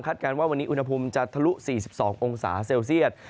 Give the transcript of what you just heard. การว่าวันนี้อุณหภูมิจะทะลุ๔๒องศาเซลเซียต